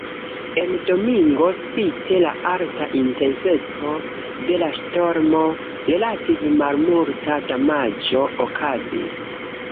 En Domingo, spite la alta intenseco de la ŝtormo, relative malmulta damaĝo okazis.